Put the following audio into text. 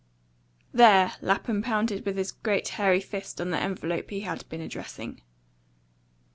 "There!" Lapham pounded with his great hairy fist on the envelope he had been addressing.